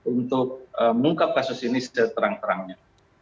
untuk mengungkap kasus ini seterang terangnya